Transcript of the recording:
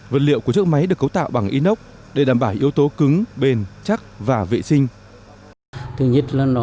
vật liệu của chiếc máy được cấu tạo bằng inox để đảm bảo yếu tố cứng bền chắc và vệ sinh